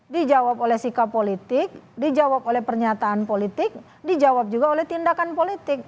dijawab oleh sikap politik dijawab oleh pernyataan politik dijawab juga oleh tindakan politik